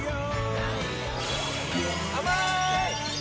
甘い！